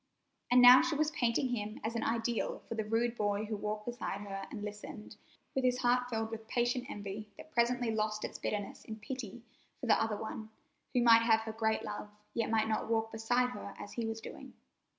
And now she was painting him as an ideal for the rude boy who walked beside her and listened, with his heart filled with patient envy; that presently lost its bitterness in pity for the other one, who might have her great love, yet might not walk beside her as he was doing.